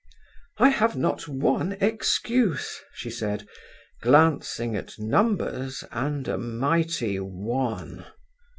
"I have not one excuse!" she said, glancing at numbers and a mighty one.